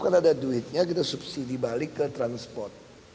karena ada duitnya kita subsidi balik ke transport